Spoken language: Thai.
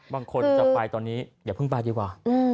บางคนจะไปตอนนี้อย่าเพิ่งไปดีกว่า